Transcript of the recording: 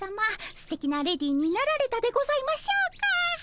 すてきなレディーになられたでございましょうか？